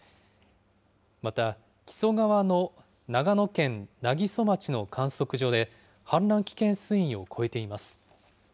また、木曽川の長野県南木曽町の観測所で、氾濫危険水位を超えています。